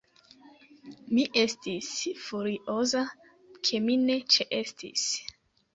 Mi estis furioza, ke mi ne ĉeestis.